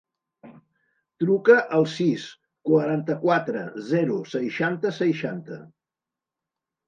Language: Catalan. Truca al sis, quaranta-quatre, zero, seixanta, seixanta.